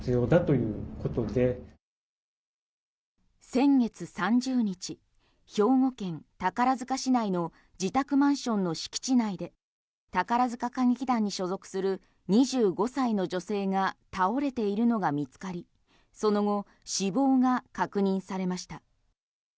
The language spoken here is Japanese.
先月３０日、兵庫県宝塚市内の自宅マンションの敷地内で宝塚歌劇団に所属する２５歳の女性が倒れているのが見つかりその後、死亡が確認されました。